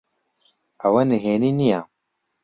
ئەوە نهێنی نییە.